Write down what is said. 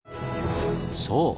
そう！